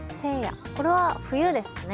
これは冬ですかね。